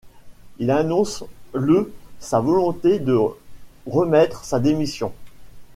Il annonce le sa volonté de remettre sa démission.